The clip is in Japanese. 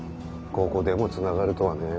ここでもつながるとはね。